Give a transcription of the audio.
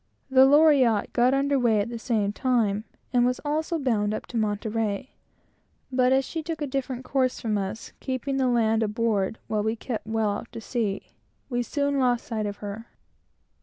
The Loriotte got under weigh at the same time, and was also bound up to Monterey, but as she took a different course from us, keeping the land aboard, while we kept well out to sea, we soon lost sight of her.